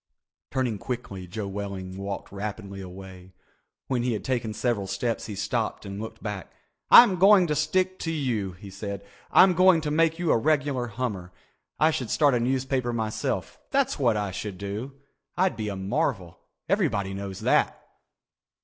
Turning quickly, Joe Welling walked rapidly away. When he had taken several steps he stopped and looked back. "I'm going to stick to you," he said. "I'm going to make you a regular hummer. I should start a newspaper myself, that's what I should do. I'd be a marvel. Everybody knows that."